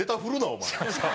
お前。